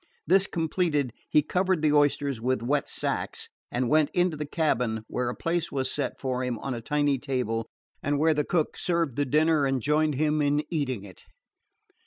This completed, he covered the oysters with wet sacks, and went into the cabin, where a place was set for him on a tiny table, and where the cook served the dinner and joined him in eating it.